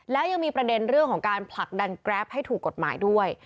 แล้วยังมีประเด็นเรื่องของการผลักดันแกรปให้ถูกกฎหมายด้วย